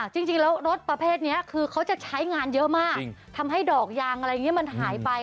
จริงแล้วรถประเภทนี้คือเขาจะใช้งานเยอะมากทำให้ดอกยางอะไรอย่างนี้มันหายไป